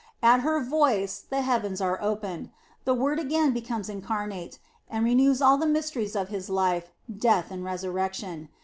At her voice, the heavens are opened; the Word again becomes incarnate, and renews all the mysteries of His life, death, and resurrection.